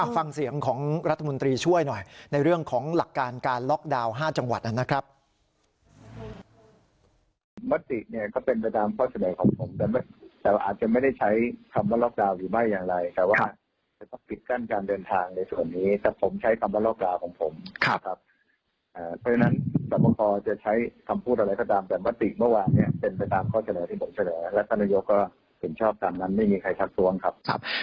ฟังเสียงของรัฐมนตรีช่วยหน่อยในเรื่องของหลักการการล็อกดาวน์๕จังหวัดนะครับ